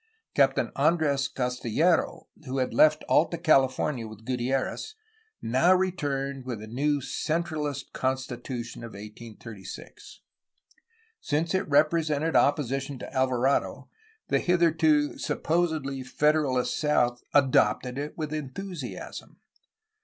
Captain Andres Castillero, who had left Alta California with Gutierrez, now returned with a new centralist constitution of 1836. Since it represented opposition to Alvarado the hitherto (supposedly) federalist south adopted it with enthusiasm.